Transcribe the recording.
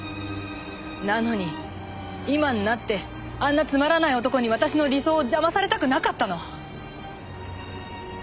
なのに今になってあんなつまらない男に私の理想を邪魔されたくなかったの。